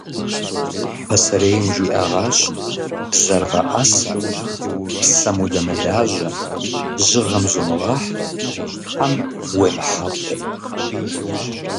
Пасэрейм жиӏэгъащ: бзэр гъэӏэсэ, псэм удэмылажьэ, жьыгъэм зумыгъэхь, хьэм уемыхьэкъу.